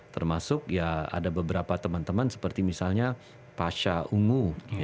termasuk ya ada beberapa teman teman seperti misalnya pasha ungu